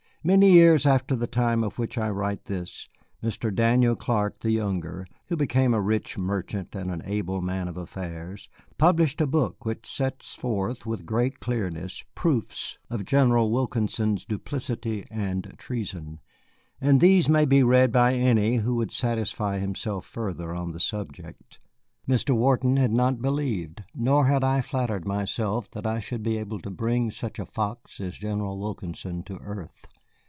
Many years after the time of which I write this Mr. Daniel Clark the younger, who became a rich merchant and an able man of affairs, published a book which sets forth with great clearness proofs of General Wilkinson's duplicity and treason, and these may be read by any who would satisfy himself further on the subject. Mr. Wharton had not believed, nor had I flattered myself that I should be able to bring such a fox as General Wilkinson to earth.